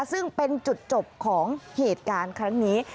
ซึ่งเป็นจุดจบของเหตุการณ์ครั้งนี้